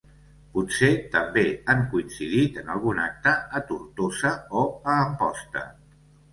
Potser també han coincidit en algun acte a Tortosa o a Amposta.